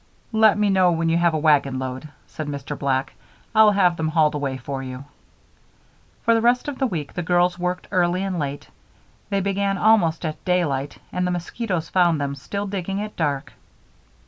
"Let me know when you have a wagon load," said Mr. Black. "I'll have them hauled away for you." For the rest of the week the girls worked early and late. They began almost at daylight, and the mosquitoes found them still digging at dusk.